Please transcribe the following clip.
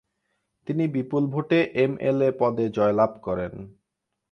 তিনি বিপুল ভোটে এমএলএ পদে জয়লাভ করেন।